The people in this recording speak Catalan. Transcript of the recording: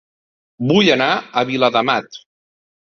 Vull anar a Viladamat